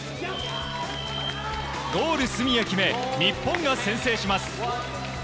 ゴール隅へ決め日本が先制します。